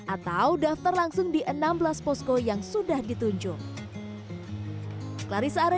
atau daftar langsung di enam belas posko yang sudah ditunjuk